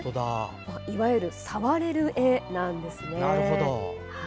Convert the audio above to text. いわゆる触れる絵なんですね。